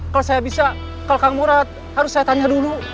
kalau saya bisa kalau kang murad harus saya tanya dulu